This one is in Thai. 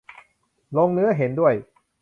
ลงเนื้อเห็นด้วย